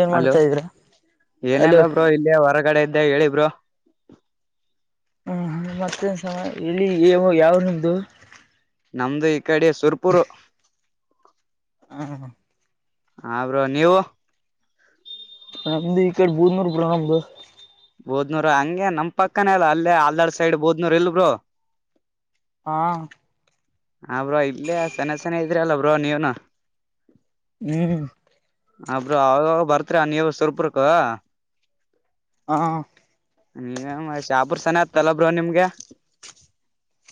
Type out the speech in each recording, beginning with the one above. ಏನ್ ಹಲೋ ಮಾಡ್ತಾ ಇದ್ರ ಹಲೋ ಏನೆಲ್ಲ ಬ್ರೋ ಇಲ್ಲೇ ಹೊರಗಡೆ ಇದ್ದ. ಹೇಳಿ ಬ್ರೋ ಹ್ಮ್ ಮತ್ತೇನ್ ಸಮಾ ಹೇಳಿ ಯಾವು ಯಾವ್ ನಿಮ್ದು. ನಮ್ದು ಈ ಕಡೆ ಸುರ್ಪುರು. ಹಾ. ಹಾ ಬ್ರೋ ನೀವು. ನಮ್ದು ಈ ಕಡೆ ಬೂದನೂರು ಬ್ರೋ ನಮ್ದು ಬೂದ್ನೂರ್ ಹಂಗೆ ನಮ್ ಪಕ್ಕನ ಅಲ್ಲ ಅಲ್ಲೇ ಆಲ್ದಡ್ ಸೈಡ್ ಬೂದ್ನೂರ್ ಇಲ್ಲ ಬ್ರೋ ಹಾ ಹಾ ಬ್ರೋ ಇಲ್ಲೇ ಸನ ಸನ ಇದ್ರ ಅಲ್ಲ ಬ್ರೋ ಬ್ರೋ ನೀವೂನು ಹ್ಮ್ ಹಾ ಬ್ರೋ ಅವಾಗ ಬರ್ತ. ನೀವು ಸುರ್ಪುರ್ಕೂ ಹಾ. ನೀವ ಶಾಪುರ್ ಸನತ್ತಲ ಬ್ರೋ ನಿಮ್ಗೆ.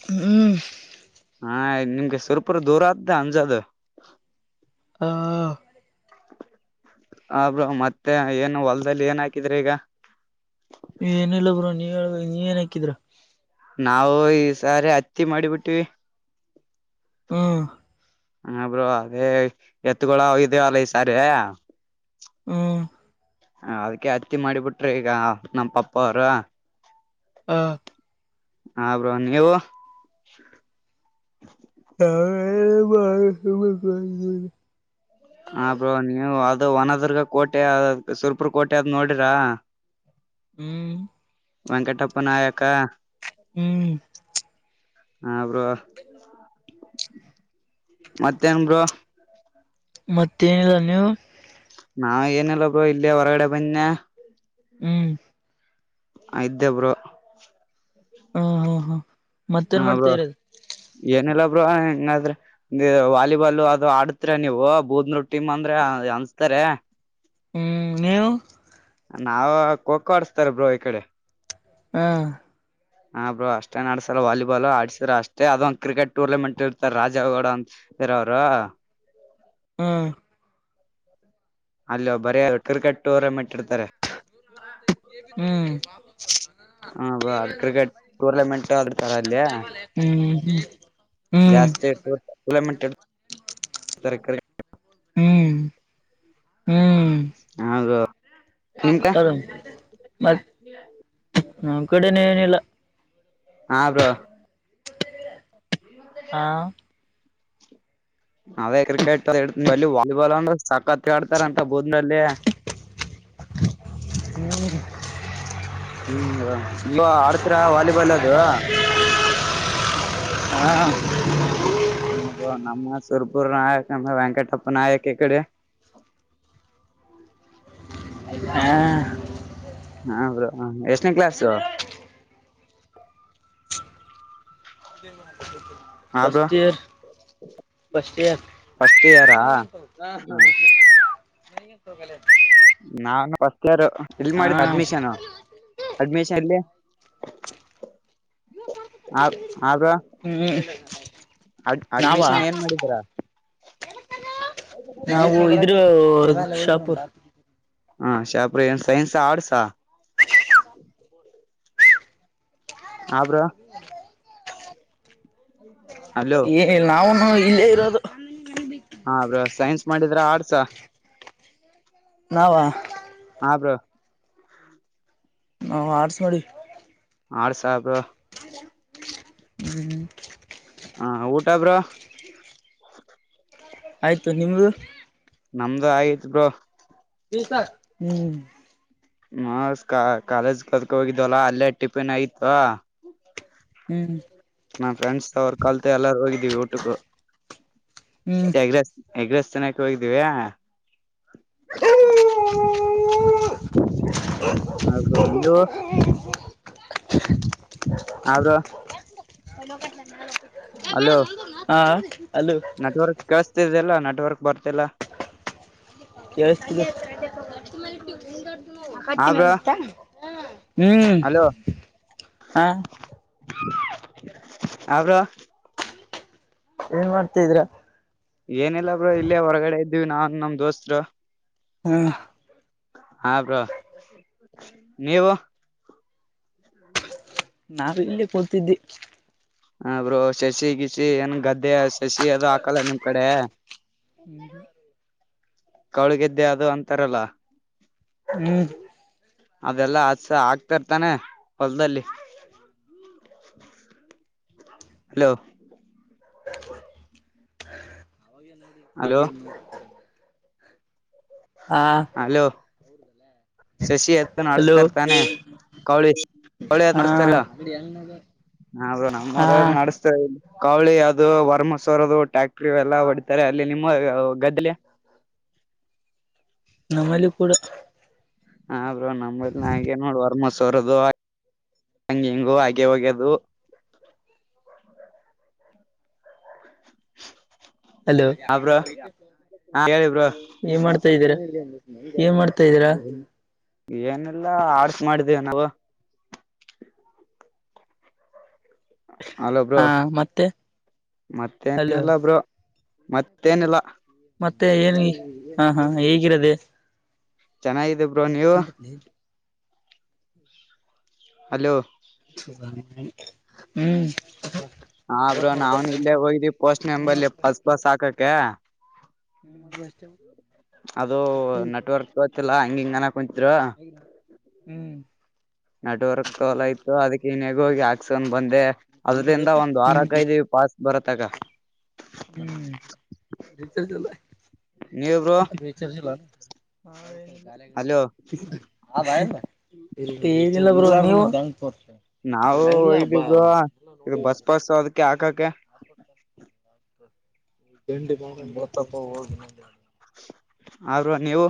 ಹ್ಮ್. ಹಾ ನಿಮ್ಗೆ ಸುರಪುರ ದೂರ ಆದ್ದ ಅಂಜದ. ಹಾ ಹಾ ಬ್ರೋ ಮತ್ತೆ ಏನು ಹೊಲ್ದಲ್ಲಿ ಏನ್ ಹಾಕಿದ್ರಿ ಈಗ. ಹೇಳ್ಬೇಕು ನೀವೇನ್ ಹಾಕಿದ್ರ. ನಾವು ಈ ಸಾರಿ ಹತ್ತಿ ಮಾಡಿಬಿಟ್ಟಿವವಿ. ಹ್ಮ್. ಹ ಬ್ರೋ ಅದೇ ಎತ್ತುಗಳು ಅಗಿದವು ಈ ಸರಿ. ಹ. ಅದ್ಕ ಹತ್ತಿ ಮಾಡಿಬಿಟ್ರಿ ಈಗ ನಮ್ಮ ಪಪ್ಪ ಅವರ. ಹ್ಮ. ಹಾ ಬ್ರೋ ನೀವು ನಾವು ಏನಿಲ್ಲ ಬ್ರೋ ಸುಮ್ನೆ ಕುಂತಿದೀವಿ ಹ ಬ್ರೋ ನೀವು ಅದು ಹೊನದುರ್ಗ ಕೋಟೆ ಸುರ್ಪುರ್ ಕೋಟೆ ಆದದ ನೋಡಿರ. ಹ್ಮ್. ವೆಂಕಟಪ್ಪ ನಾಯಕ. ಹ್ಮ್. ಹಾ ಬ್ರೋ ಮತ್ತೇನು ಬ್ರೋ ಮತ್ತೇನಿಲ್ಲ ನೀವು ನಾವ ಏನಿಲ್ಲ ಬ್ರೋ ಇಲ್ಲಿ ಹೊರಗಡೆ ಬಂದೆನಿ ಹ್ಮ್ ಇದ್ದೆ ಬ್ರೋ ಹಾ ಹಾ ಹಾ ಹ ಬ್ರೋ ಏನೆಲ್ಲ ಬ್ರೋ ಹೆಂಗಾದ್ರ ವಾಲಿಬಾಲ್ ಅದು ಆಡಿದ್ರೆ ನೀವು ಬೂದ್ನೂರ್ ಟೀಮ್ ಅಂದ್ರೆ ಅನ್ಸ್ತಾರೆ ಹ್ಮ್ ನೀವು ನಾವ ಕೋ ಕೋ ಆಡಸ್ತಾರೇ ಬ್ರೋ ಈ ಕಡೆ ಹ್ಮ ಹಾ ಬ್ರರು ಅಷ್ಟೇ ನ ಆಡ್ಸಲ್ಲ ವಾಲಿಬಾಲ್ ಆಡ್ಸ್ರ ಅಷ್ಟೇ ಅದೊ ಕ್ರಿಕೆಟ್ ಟೂರ್ನಮೆಂಟ್ ಇರ್ತಾರ ರಾಜ ಗೌಡ ಅಂತರ ಅವರು ಹ್ಮ ಅಲ್ಲಿ ಬರರು ಕ್ರಿಕೆಟ್ ಟೂರ್ನಮೆಂಟ್ ಇಟ್ಟಿರ್ತಾರೆ ಹ್ಮ್ ಹ ಕ್ರಿಕೆಟ್ ಟೂರ್ನಮೆಂಟ್ ಆದ್ರ ತರ ಅಲ್ಲಿಯ ಹ್ಮ್ ಹ್ಮ್ ಜಾಸ್ತಿ ಟೂರ್ನಮೆಂಟ್ ತರಕಾರಿ ಹ್ಮ್ ಹೌದು ಹ ಮತ್ತ ನಮ್ಮ್ ಕಡೆ ಏನ್ ಇಲ್ಲ ಹಾ ಬ್ರೋ ಹ ಅವೇ ಕ್ರಿಕೆಟ್ ವಾಲಿಬಾಲ್ ಅಂದ್ರ ಸಾಕತ್ ಆಡ್ತಾರಂತ ಬೋದನಲ್ಲಿ ಹ್ಮ ಹ್ಮ್ ಈಗ ಆಡ್ತ್ರ ವಾಲಿಬಾಲ್ ಅದು ಹಾ ನಮ್ಮ ಸುರಪುರ್ ನಾಯಕ ನಮ್ಮ ವೆಂಕಟಪ್ಪ ನಾಯಕ ಇಕಡೆ ಹ ಹ್ರ ಎಷ್ಟನೇ ಕ್ಲಾಸು ಹಾ bro first year first year first ಇಯರಾ ನಾ ಫ್ರಿಸ್ಟ್ ಫ್ರಿಸ್ಟ್ ಇಲ್ಲಿ ಹ ಮಾಡಿದ್ ಅಡ್ಮಿಷನ್ ಅಡ್ಮಿಶನ್ ಎಲ್ಲಿ ಆ ಬ್ರೋ ಹ್ಮ್ ಆ ನಾವಾ ಅಡ್ಮಿಷನ್ ಏನ್ ಮಾಡಿದೀರ ನಾವು ಇದ್ದ ರ ಶಾಪುರ್ ಹಾ ಶಾಪುರಗ ಏನ ಸೈನ್ಸಾ ಆರ್ಟ್ಸ್ ಹ ಬ್ರೋ ಹ್ಮ್ ಏ ನಾವುನ ಹಾ ಇಲ್ಲೇ ಇರೋದು ಹ ಬ್ರೋ ಸೈನ್ಸ್ ಮಾಡಿದ್ರ ಅರ್ಟ್ಸ್ ನಾವ್ ಹ ಹ ಬ್ರೋ ನಾವ ಆರ್ಟ್ಸ್ ಮಾಡಿವಿ ಆರ್ಟ್ಸ್ ಹ ಬ್ರೋ ಹ್ಮ. ಹಾ ಊಟ ಬ್ರೋ ಆಯ್ತು ನಿಮ್ದು. ನಮ್ದು ಆಯ್ತು ಬ್ರೋ. ಹ್ಮ್. ಮಸ್ತ ಕಾ ಕಾಲೇಜ್ ಕಲತ ಹೋಗಿದಿವಿಲ್ಲ ಅಲ್ಲೇ ಟಿಫಿನ್ ಆಗಿತ್ತು ಹ್ಮ್. ನಾ ಫ್ರೆಂಡ್ಸ್ ಅವರು ಕಲ್ತ ಎಲ್ಲಾರು ಹೋಗಿದ್ದೀವಿ ಊಟಕ್ಕೂ ಬ್ರೋ ಹ್ಮ್ ಎಗ್ ರೈಸ್ ಎಗ್ ರೈಸ್ ತಿನ್ನಕ್ಕೆ ಹೋಗಿದ್ದೀವಿ ಹ್ಮ. [unintelligible] ಹೌದು ನೀವು. ಹಾ ಬ್ರೋ [unintelligible] ಹ. ಅಲೋ ನೆಟ್ ವರ್ಕ ಕೇಳಿಸ್ತಿದೆ ಇಲ್ಲ ನೆಟ್ ವರ್ಕ್ ಬರ್ತಿಲ್ಲ ಕೇಳಿಸ್ತಿದೆ ಹಾ ಕಟ್ಟಿ ಮೇಲೆ ಬ್ರೋ ಅಂತಾ. ಹ್ಮ. ಹ್ಮ್ ಅಲೋ ಹ. ಅ ಬ್ರೋ ಏನ್ ಮಾಡ್ತಾದೀರ. ಏನಿಲ್ಲಾ ಬ್ರೋ ಇಲ್ಲೇ ಹೊರಗಡೆ ಇದ್ದ. ಇದ್ದಿವಿ ನಾನ್ ನಮ್ಮ ದೋಸ್ತರು ಹಾ. ಹಾ ಬ್ರೋ ನೀವು. ನಾವ ಇಲ್ಲೇ ಕೂತಿದ್ದಿ ಹ ಬ್ರೋ ಶಸಿಗಿಸಿ ಏನ್ ಗದ್ದೆ ಶಸಿ ಅದು ಹಾಕಲ್ಲ ನಿಮ್ ಕಡೆ ಹ್ಮ್ ಹ್ಮ್ ಕೌಳಿ ಗೆದ್ದೆ ಅದು ಅಂತಾರಲ್ಲ ಹ್ಮ ಅದೆಲ್ಲಾ ಹಸ ಹಾಕ್ತರತಾನೆ ಹೊಲ್ದಲ್ಲಿ ಹಲೋ ಅವಗೇ ನೋಡಿ ಹಲೋ ಈಗೇನ್ ನೋಡ್ತಾರ್ ಹಲೋ ಶಶಿ ಎ ಹಲೋ ನಡ್ಸ್ತರ್ತಾನೆ ಕೌಳಿ ಕೌಳಿ ಹಾ ನಡ್ಸ್ತಾರ ಹೌದ ಹಾ ನಮ್ಮೂರಾಗ್ ಮಾಡಸ್ತಾರ್ ಕೌಳಿ ಅದು ವರ್ ಮಸೊರದು ಟ್ಯಾಕ್ಟ್ರ ಎಲ್ಲ ಹೊಡಿತಾರೆ ಅಲ್ಲಿ ನಿಮ್ಮ ಗದ್ದೆಲಿ ನಮ್ಮಲ್ಲಿ ಕೂಡ ಹಾ ಬ್ರೋ ನಮ್ಮಲ್ನು ಹಾಗೆ ನೋಡ ವರ್ಮಾಸೊ ಸೂರದು ಅದೂ ಹಂಗ ಹಿಂಗು ಆಗೆ ಹೋಗ್ಯದು ಹಲೋ ಹ ಬ್ರೋ ಹೇಳಿ ಬ್ರೋ ಏನ್ ಮಾಡ್ತ ಇದೀರಾ ಏನ್ ಮಾಡ್ತ ತ ಇದೀರಾ ಏನಿಲ್ಲ ಆರ್ಟ್ಸ್ ಮಾಡಿದೆವ ನಾವು ಹಲೋ ಬ್ರೋ ಹಾ ಮತ್ತೆ ಅಲೋ ಮತ್ತೇನಿಲ್ಲ ಬ್ರೋ ಮತ್ತೇನಿಲ್ಲ ಮತ್ತೆ ಏನ್ ಹಾ ಹಾ ಹೇಗಿರದೆೇ ಚೆನ್ನಾಗಿದೆ ಬ್ರೋ ಬ್ರೋ ನೀವು ಹಲೋ ಹ್ಮ್ ಹ ಬ್ರೋ ನಾವನ್ ಇಲ್ಲೇ ಹೋಗಿದೀವಿ ಪೋಸ್ಟ್ ಮ್ಯಾನ್ ಬಲ್ಲಿ ಬಸ್ ಪಾಸ್ ಹಾಕಕ್ಕೆ ಹ್ಮ ಮತ್ತೆ ಅದು ನೆಟ್ವರ್ಕ್ ತೋತಿಲ್ಲ ಹಂಗ ಹಿಂಗ ಅನಕುಂತಿರು ಹ್ಮ್ ನೆಟ್ವರ್ಕ್ ತೋಲಾಗಿತ್ತು ಅದಕ್ಕೆ ಹಿನ ಈಗ ಹೋಗಿ ಹಾಕ್ಸೋನ ಬಂದೆ ಅದ್ರಿಂದ ಒಂದ್ ವಾರ ಹ್ಮ್ ಕಾಯಿದಿವಿ ಪಾಸ್ ಬರಾತ್ತಕ ಹ್ಮ್ ರೀಚಾರ್ಜ್ ಇಲ್ಲ ನೀವ ಬ್ರೋ ಇದಕ್ಕ ರೀಚಾರ್ಜ್ ಇಲ್ಲೊ ಹಾ ಏನಿಲ್ಲ ಅಲೋ ಆದ ಇಲ್ಲ ತ್ತೇನಿಲ್ಲ ಬ್ರೋ ನೀವು ನಾವು ಹೋಗಿದ್ಯೋವ ಬ್ರೋ ಇದು ಬಸ್ ಪಾಸ್ ಅದಕ್ಕೆ ಹಾಕಾಕ್ [inaudible] ತಿಂಡಿ ಏನೋ ಬತ್ತಪ್ಪ ಹೋಗತೇನ್ ಹಾ ಬ್ರೋ ನೀವು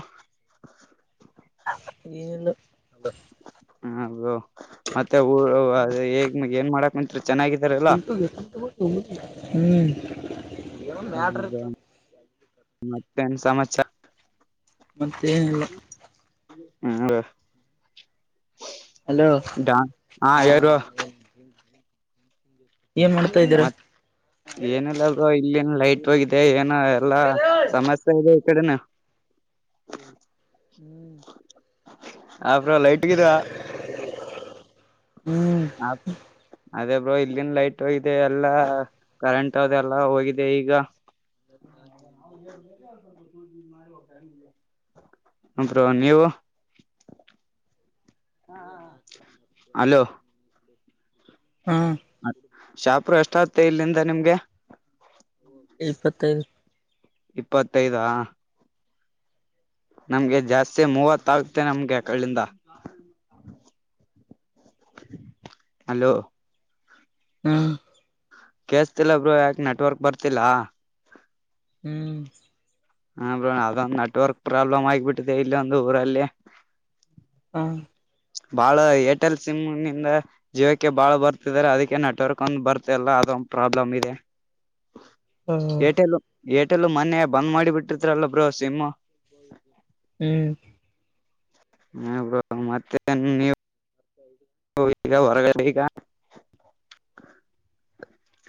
[unintelligible] ಹಾ ಬ್ರೋ ಮತ್ತೆ ಊರು ಏನ್ ಮಾಡಕತ್ತಿ ಚೆನ್ನಾಗಿದ್ದೀರಲ್ಲೋ ಹೂ [unintelligible] ಮತ್ತೇನ ಸಮಾಚಾರ ಮತ್ತೆ ನಿಲ್ಲ ಹೂ ಹಲೋ ಡಾನ ಹಾ ಹೇಳ ಬ್ರೋ. [unintelligible] ಇದ್ದೀರಾ ಮತ್ ಏನಿಲ್ಲ ಬ್ರೋ ಇಲ್ಲಿನ್ ಲೈಟ್ ಹೋಗಿದೆ ಏನ ಎಲ್ಲಾ ಸಮಸ್ಯೆ ಇದೆ. ಕಡೆನಾ. ಹಾ ಬ್ರೋ ಲೈಟ್ ಹೋಗಿದ ಹೂ ಅದೇ ಬ್ರೋ ಇಲ್ಲಿನ್ ಲೈಟ್ ಹೋಗಿದೆ ಎಲ್ಲಾ ಕರೆಂಟ್ ಅದೆಲ್ಲಾ ಹೋಗಿದೆ ಈಗ. [inaudible] ಹಾ ಬ್ರೋ ನೀವು. [inaudible] ಹಾ ಶಪ್ರು ಅಷ್ಟ ಮತ್ತೆ ಇಲ್ಲಿಂದ ನಿಮ್ಗೆ. ಇಪ್ಪತ್ತೈದು. ಇಪ್ಪತ್ತೈದಾ. ನಮ್ಗೆ ಜಾಸ್ತಿ ಮೂವತ್ತ ಆಗುತ್ತೆ ನಮ್ಗೆ ಕಳ್ಳಿಂದ ಹಲೋ. ಹೂ ಕೆಲ್ಸ್ಟಿಲ್ ಬ್ರೋ ಯಾಕೆ ನೆಟ್ವರ್ಕ್ ಬರ್ತಿಲ್ಲ. ಹೂ ಹಾ ಬ್ರೋ ಅದೊಂದು ನೆಟ್ವರ್ಕ್ ಪ್ರಾಬ್ಲಮ್ ಆಗ್ಬಿಟ್ಟಿದೆ ಇಲ್ಲೊಂದು ಊರಲ್ಲಿ. ಹಾ. ಬಾಳ ಏರ್ಟೆಲ್ ಸಿಮ್ ನಿಂದ ಜಿಯೋ ಗೆ ಬಾಳ ಬರ್ತಿದ್ದಾರೆ ಅದಕ್ಕೆ ನೆಟ್ವರ್ಕ್ ಒಂದ ಬರ್ತಲ್ಲ ಅದೊಂದು ಪ್ರಾಬ್ಲಮ್ ಇದೆ. ಹ ಏರ್ಟೆಲ್. ಏರ್ಟೆಲ್ ಮೊನೆ ಬಂದ್ ಮಾಡಿ ಬಿಟ್ಟಿರ್ತರಲ್ಲ ಬ್ರೋ ಸಿಮ್ಮು. ಹೂ ಹಾ ಬ್ರೋ ಮತ್ತೆ ನೀವು. [unintelligible] ಹೊಯ್ತಿರ ಹೊರಗಡೆ ಈಗ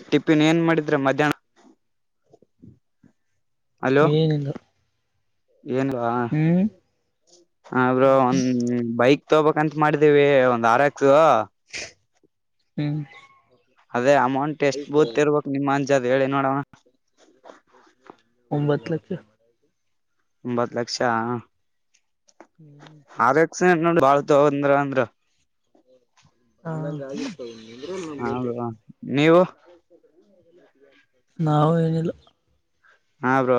ಟಿಪ್ಪಿನ್ ಏನ್ ಮಾಡಿದ್ರೆ ಮಧ್ಯಾಹ್ನ. ಏನಿಲ್ಲ. ಹ್ಮ್ ಹಾಂ ಬ್ರೊ ಒಂದ್ ಬೈಕ್. ತೋಬೇಕ್ ಅಂತ ಮಾಡಿದೀವಿ ಒಂದ ಆರ್ ಎಕ್ಸ್ [unintelligible] ಹ್ಮ್. ಎ ಅಮೌಂಟ್ ಎಷ್ಟ್ ಬುತ್ ಇರ್ಬೇಕು ನಿಮ್ಮ. ನಿಜ ಅದ ಹೇಳಿ ನೋಡವ ಒಂಬತ್ತು ಲಕ್ಷ. ಒಂಬತ್ ಲಕ್ಷ. [inaudible] [unintelligible] ಬಾಳ್ತ ಅಂದ್ರ ಅಂದ್ರ. ಹಾಂ ಹೌದು ಬ್ರೊ ನೀವು [inaudible] ನಾವು ಏನಿಲ್ಲ ಹಾ ಬ್ರೋ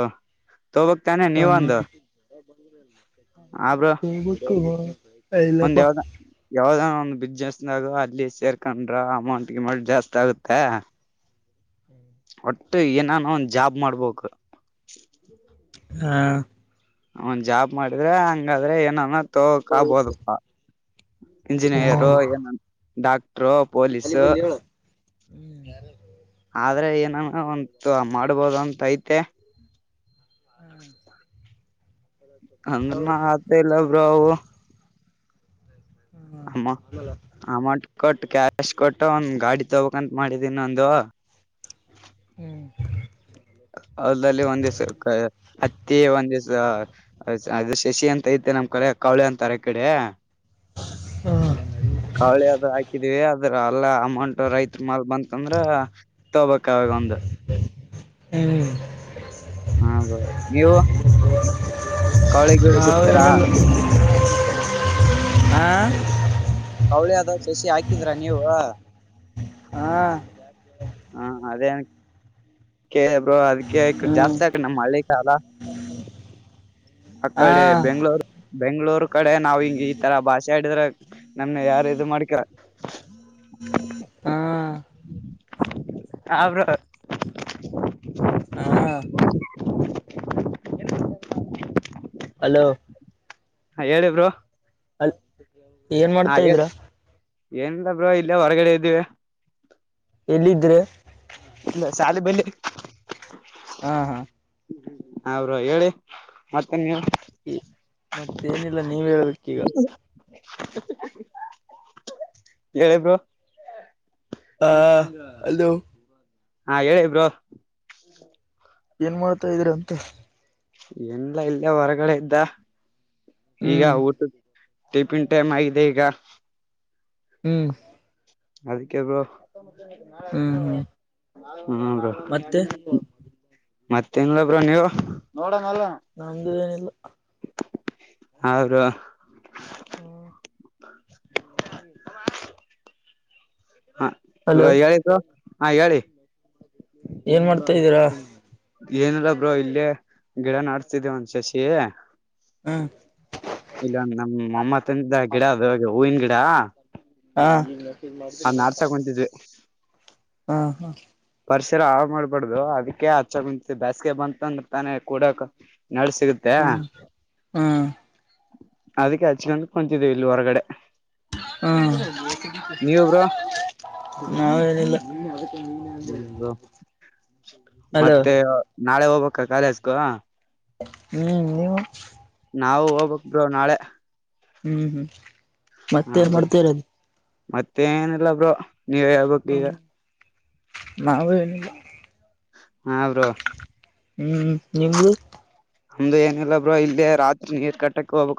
ತಗೋಬೇಕು ತಾನೆ ನೀವೊಂದು [inaudible] [unintelligible] [unintelligible] ಒಂದ್ [unintelligible] ಯಾವುದು ಬಿಸ್ನೆಸ್ನಾಗ ಅಲ್ಲಿ ಸೇರ್ಕೊಂಡ್ರ ಅಮೌಂಟ್ಗೆ ಜಾಸ್ತಿ ಆಗುತ್ತೆ ಹ್ಮ್ ಬಿಟ್ಟು ಏನಾನ ಒಂದ ಜಾಬ್ ಮಾಡಬೇಕು ಹಾ ಅವನ್ ಜಾಬ್ ಮಾಡಿದ್ರೆ ಹಂಗಾದ್ರೆ ನಾನ ತಕಬೋದುಪ್ಪ ಇಂಜಿನಿಯರು ಹ್ಮ್ ಏ ಡಾ ಪೊಲೀಸ್ ಆದ್ರೆ ಏನಾನ ಒಂತ ಮಾಡ್ಬೋದ ಅಂತಯತ ತ್ತ ಹ್ಮ ಹಂಗನ ಆತ ಇಲ್ಲ ಬ್ರವು ಆಮ್ಮ ಆಮ ಕಟ್ ಕ್ಯಾಶ್ ಕೊಟ್ಟ ಒಂದ ಗಾಡಿ ತಗೋಕ್ಂತ ಮಾಡಿದೀನ ಒಂದು ಹ್ಮ್ ಅದಲ್ಲಿ ಒಂದ್ಿವ್ಸ ಹತ್ತಿ ಒಂದ ದಿವ್ಸ ಅ ಶಶಿ ಅ ಐತೆ ನಮ್ ಕಡೆ ಕಳೆ ಅಂತಾರೆ ಕಡೆ ಹಾ ಕೌಳಿ ಅದು ಹಾಕಿದೀವಿ ಅದ್ರ ಎಲ್ಲ ಅಮೌಂಟ್ ರೈತರ ಮಾಲ ಬಂತಂದ್ರ ತೊಬೇಕ ಅವಾಗ ಒಂದು ಹ್ಮ್. ಹೌದು ನೀವು. ಕವಳಿಗಳು ಬಿತ್ತೀರಾ [unintelligible] ಹಾ ಕೌಳಿ ಅದ. ಸಸಿ ಹಾಕಿದೀರಾ ನೀವು. ಹ್ಮ್. ಹಾ ಅದೇನ ಕೇಳಿ ಬ್ರೋ. ಅ ಕೇಕ ಹ್ಮ್ ಜಾಸ್ತ ಆಯ್ತ ನಮ್ಮ ಹಳ್ಳಿಗೆ. ಶಾಲಾ. ಹಾ ಅಕಡೀ ಬೆಂಗ್ಳೂರು. ಬೆಂಗ್ಗಳೂರ್ ಕಡೆ ನಾವ್ ಹಿಂಗ ಈ ತರ ಭಾಷೆ ಅಡಿದ್ರೆ ನಮ್ನೆ ಯಾರು ಇದು ಮಾಡ್ಕ ಹಾ ಅವರು ಹಾ ಹಲೋ ಹಾಂ ಹೇಳಿ ಬ್ರೊ ಹಲ್ ಏನ್ ಮಾಡ್ತಾ ಇದಿರಾ ಏನಿಲ್ಲ ಬ್ರೋ ಇಲ್ಲೇ ಹೊರಗಡೆ ಇದ್ದೀವಿ ಯಲ್ಲಿದ್ರೆ ಇಲ್ಲ ಶಾಲೆ ಬೆಲ್ಲಿ ಹಾ ಹಾ ಅವರು ಹೇಳಿ ಮತ್ತೆ ನೀವು ಮತ್ತೇನಿಲ್ಲ ನೀವ್ ಹೇಳ್ಬೇಕಿಗ ಹೇಳಿ ಬ್ರೊ ಹಾ ಅಲೋ ಹಾ ಹೇಳಿ ಬ್ರೊ ಏನ್ ಮಾಡ್ತಾ ಇದ್ರ ಅಂತ ಇಲ್ಲ ಇಲ್ಲೆ ಹೊರಗಡೆ ಇದ್ದ ಈಗ ಹ್ಮ್ ಊಟದ್ ಟಿಫಿನ್ ಟೈಮ್ ಆಗಿದೆ ಈಗ ಹ್ಮ್ ಅದಕ್ಕೆ ಬ್ರೋ ಹ್ಮ್ ಹ್ಮ್ ಹ್ಮ್ ಮತ್ತೆ ಮತ್ತ ಹೆಂಗಬ್ರ ನೀವು ನೋಡ ನಮ್ದು ಏನಿಲ್ಲ ಅವರು ಹ್ಮ ಹಾ ಹಲೋ ಹೇಳಿದ್ದು ಹಾ ಹೇಳಿ ಏನ್ ಮಾಡ್ತಾ ಇದೀರಾ ಏನಲ್ಲ ಬ್ರೋ ಇಲ್ಲಿ ಗಿಡ ನಾಡ್ತಿದ್ದೇ ಒಂದ ಸಸಿ ಹ್ಮ್ ಇಲ್ಲ ಒಂದ ನಮ್ಮ ಅಮ್ಮತ್ತನ ಗಿಡ ಅದು ಹೂವಿನ ಗಿಡ ಹಾ ನಾಡ್ಸಕೊಂತಿದ್ವಿ ಹಾ ಹಾ ಪರಿಸರ ಆ ಮಾಡ್ಬಾರಡ್ದು ಅದಕ್ಕೆ ಹಚ್ಚಂತ ಬೇಸ್ಗೆ ಬಂತಂದ ತಾನೆ ಕೂಡಕ್ ಹ್ಮ್ ಹ್ಮ್ ಅದಕ್ಕೆ ಹಚ್ಕೊಂಡ ಕುಂತಿದ್ದೇವಿ ಇಲ್ಲಿ ಹೊರಗಡೆ ಹ್ಮ ನೀವು ಬ್ರೋ ನ ನಿಲ್ಲ ಹ್ಮದು [inaudible] ಹ್ಮದು ಹಲೋ ಮತ್ತೆ ನಾಳೆ ಹೋಗ ಅಕ್ಕ ಕಾಲೇಜ್ಕ ಹ್ಮ್ ನೀವು ನಾವು ಹೋಗಬಕ್ ಬ್ರೋ ನಾಳೆ ಹ್ಮ್ ಹ್ಮ್ ಮತ್ತೆ ನ್ ಮಾಡ್ತಾ ಇರೋದು ಮತ್ತೆ ಏನಲ್ಲ ಬ್ರೋ ನೀವ್ ಹೇಳ್ಬೇಕ್ ಈಗ ಹ್ಮ ನವು ಏನಿಲ್ಲ ಹಾ ಬ್ರೋ ಹ್ಮ್ ನಿಮ್ದು ನಮ್ದು ಏನಿಲ್ಲಾ ಬ್ರೋ ಇಲ್ಲಿೇ ರಾತ್ರಿ ನೀರ್ ಕಟ್ಟಕ್ ಹೋಗ್ಬೇಕು